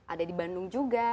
ada di bandung juga